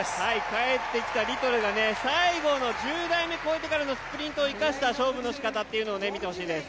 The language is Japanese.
帰ってきたリトルが最後の１０台目、スプリントを生かした勝負の仕方を見てほしいです。